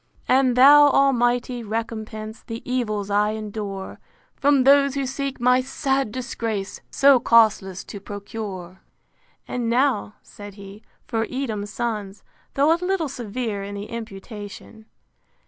VII. And thou, Almighty! recompense The evils I endure From those who seek my sad disgrace, So causeless, to procure. And now, said he, for Edom's Sons. Though a little severe in the imputation.